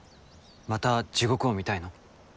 また地獄を見たいの？